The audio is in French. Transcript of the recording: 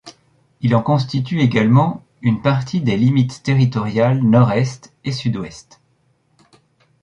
Il en constitue également une partie des limites territoriales nord-est et sud-ouest.